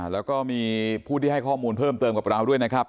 แล้วก็มีผู้ที่ให้ข้อมูลเพิ่มเติมกับเราด้วยนะครับ